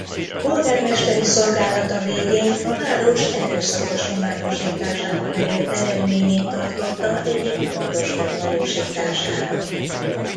Polgármesteri szolgálata végén a város erőszakos románosításában elért eredményét tartotta egyik fontos megvalósításának.